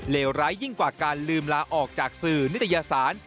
ร้ายยิ่งกว่าการลืมลาออกจากสื่อนิตยสาร